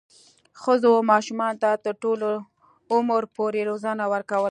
ښځو ماشومانو ته تر لوړ عمر پورې روزنه ورکوله.